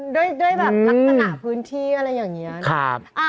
ด้วยแบบลักษณะพื้นที่อะไรอย่างนี้